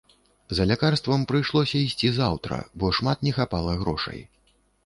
За лякарствам прыйшлося ісці заўтра, бо шмат не хапала грошай.